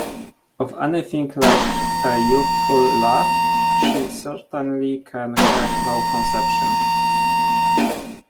Of anything like a youthful laugh, she certainly can have no conception.